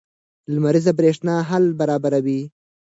لمریزه برېښنا حل برابروي.